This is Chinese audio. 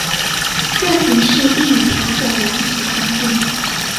这形式亦与啤酒软体相近。